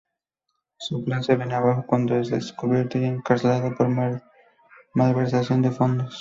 Su plan se viene abajo cuando es descubierto y encarcelado por malversación de fondos.